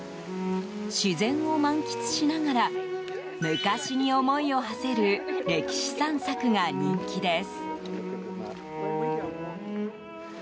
自然を満喫しながら昔に思いをはせる歴史散策が人気です。